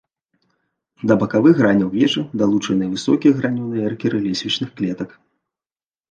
Да бакавых граняў вежы далучаны высокія гранёныя эркеры лесвічных клетак.